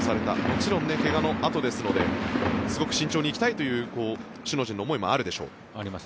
もちろん怪我のあとですのですごく慎重に行きたいという首脳陣の思いもあるでしょう。